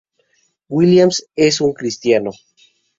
Williams es un cristiano.